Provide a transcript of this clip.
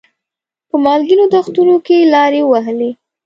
په مالګینو دښتونو کې لارې ووهلې.